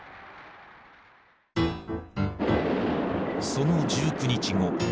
その１９日後。